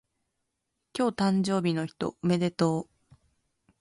今日誕生日の人おめでとう